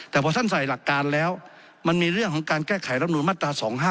แต่พอท่านใส่หลักการแล้วมันมีเรื่องของการแก้ไขรำนูนมาตรา๒๕๖